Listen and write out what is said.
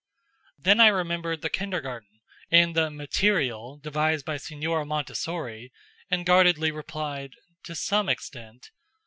Then I remembered the kindergarten, and the "material" devised by Signora Montessori, and guardedly replied: "To some extent."